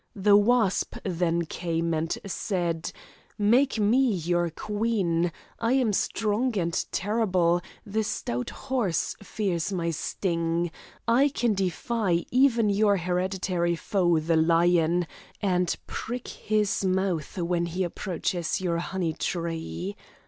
The wasp then came and said: 'Make me your queen, I am strong and terrible, the stout horse fears my sting, I can defy even your hereditary foe the lion, and prick his mouth when he approaches your honey tree.